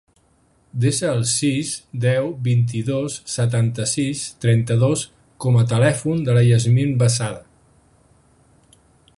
Desa el sis, deu, vint-i-dos, setanta-sis, trenta-dos com a telèfon de la Yasmine Besada.